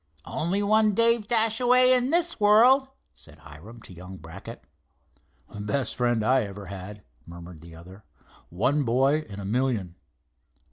"Only one Dave Dashaway in this world," said Hiram, to young Brackett. "The best friend I ever had!" murmured the other. "One boy in a million!"